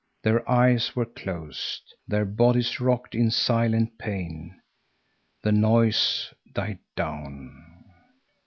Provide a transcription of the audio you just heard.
Their eyes were closed. Their bodies rocked in silent pain. The noise died down.